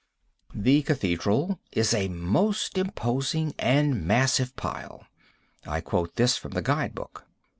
The cathedral is a most imposing and massive pile. I quote this from the guide book.